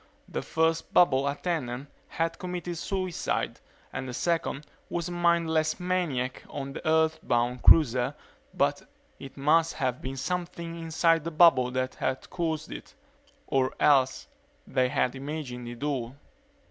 The first bubble attendant had committed suicide and the second was a mindless maniac on the Earthbound cruiser but it must have been something inside the bubble that had caused it. Or else they had imagined it all.